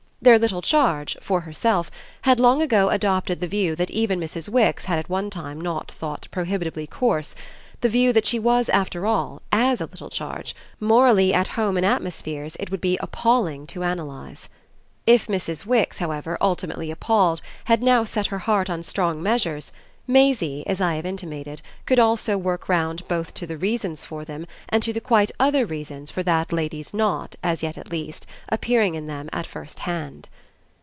Their little charge, for herself, had long ago adopted the view that even Mrs. Wix had at one time not thought prohibitively coarse the view that she was after all, AS a little charge, morally at home in atmospheres it would be appalling to analyse. If Mrs. Wix, however, ultimately appalled, had now set her heart on strong measures, Maisie, as I have intimated, could also work round both to the reasons for them and to the quite other reasons for that lady's not, as yet at least, appearing in them at first hand.